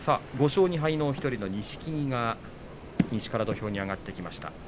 ５勝２敗の１人の錦木が西から土俵に上がってきました。